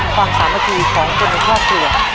ความสามารถดีของคนในครอบครัว